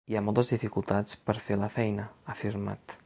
Hi ha moltes dificultats per fer la feina, ha afirmat.